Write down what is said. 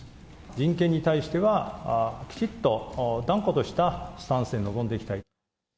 人権に対しては、きちっと断固としたスタンスで臨んでいきたい。